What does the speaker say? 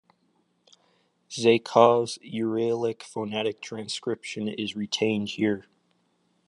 Zaykov's Uralic phonetic transcription is retained here.